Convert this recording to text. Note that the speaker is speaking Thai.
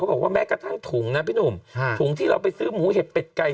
บอกว่าแม้กระทั่งถุงนะพี่หนุ่มถุงที่เราไปซื้อหมูเห็ดเป็ดไก่